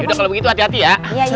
udah kalau begitu hati hati ya